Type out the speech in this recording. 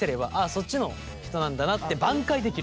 そっちの人なんだなって挽回できる。